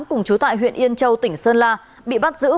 cùng chú tại huyện yên châu tỉnh sơn la bị bắt giữ